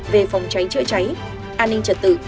về phòng cháy chưa cháy an ninh trật tự